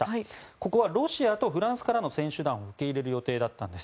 ここはロシアとフランスからの選手団を受け入れる予定だったんです。